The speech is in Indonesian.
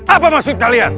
apa maksud kalian